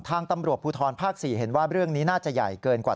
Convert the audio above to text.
ทางตำรวจภูทรภาค๔เห็นว่าเรื่องนี้น่าจะใหญ่เกินกว่า